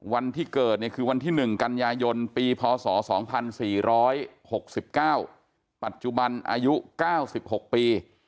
วันที่เกิดเนี่ยคือวันที่๑กันยายนปีพศ๒๔๖๙ปัจจุบันอายุ๙๖ปี